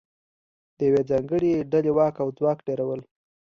د یوې ځانګړې ډلې واک او ځواک ډېرول